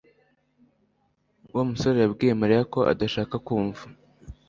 Wa musore yabwiye Mariya ko adashaka kumva